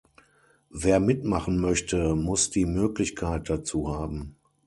Wer mitmachen möchte, muss die Möglichkeit dazu haben.